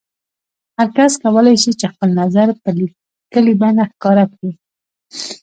هر کس کولای شي چې خپل نظر په لیکلي بڼه ښکاره کړي.